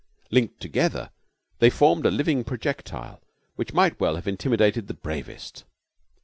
Linked together they formed a living projectile which might well have intimidated the bravest.